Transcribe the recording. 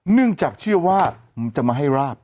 เนื่องจากเชื่อว่ามันจะมาให้ราบ